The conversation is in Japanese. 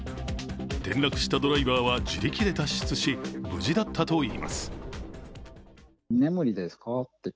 転落したドライバーは自力で脱出し無事だったといいます。